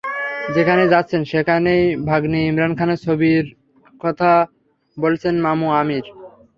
যেখানেই যাচ্ছেন, সেখানই ভাগনে ইমরান খানের ছবির জন্য কথা বলছেন মামু আমির।